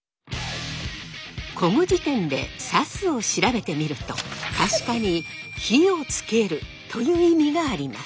古語辞典で「さす」を調べてみると確かに「火をつける」という意味があります。